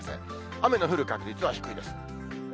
雨の降る確率は低いです。